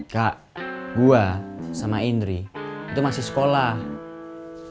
kak gua sama indri itu masih sekolah